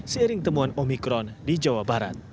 seiring temuan omikron di jawa barat